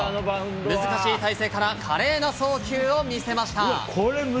難しい体勢から華麗な送球を見せました。